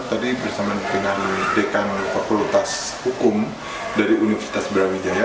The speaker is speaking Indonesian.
dan bersama dengan dekan fakultas hukum dari universitas brawijaya